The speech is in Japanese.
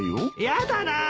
やだなぁ。